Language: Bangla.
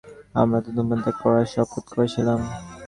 আমরা তো ধূমপান ত্যাগ করার শপথ করেছিলাম।